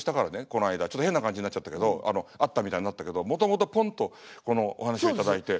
この間ちょっと変な感じになっちゃったけどあったみたいになったけどもともとポンとこのお話を頂いて。